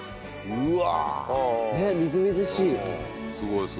うわ。